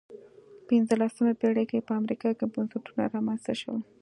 پنځلسمې پېړۍ کې په امریکا کې بنسټونه رامنځته شول.